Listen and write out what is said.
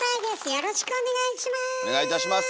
よろしくお願いします。